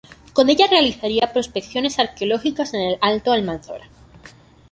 Con ella realizaría prospecciones arqueológicas en el Alto Almanzora.